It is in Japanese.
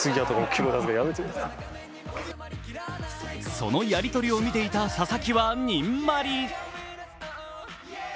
そのやりとりを見ていた佐々木はにんまり。